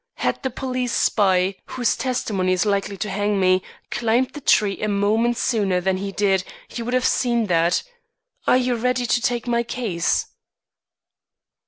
Had the police spy whose testimony is likely to hang me, climbed the tree a moment sooner than he did, he would have seen that. Are you ready to take my case?"